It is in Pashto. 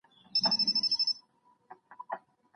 ورته جوړ د هر پمن د خنجر وار وي